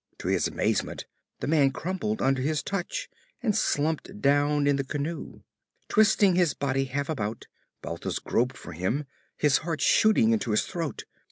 To his amazement, the man crumpled under his touch and slumped down in the canoe. Twisting his body half about, Balthus groped for him, his heart shooting into his throat.